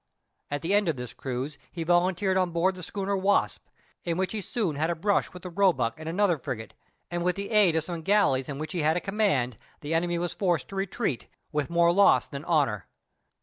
At the end of this cruise, he volunteered on board the schooner Wasp, in which he soon had a brush with the Roebuck and another frigate, and with the aid of some galleys in which he had a command, the enemy was forced to retreat, with more loss than honor.